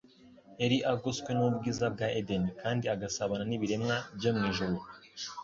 yari agoswe n'ubwiza bwa Edeni, kandi agasabana n'ibiremwa byo mu ijuru.